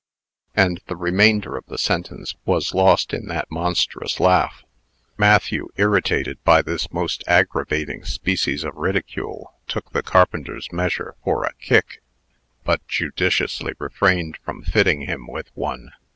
and the remainder of the sentence was lost in that monstrous laugh. Matthew, irritated by this most aggravating species of ridicule, took the carpenter's measure for a kick but judiciously refrained from fitting him with one.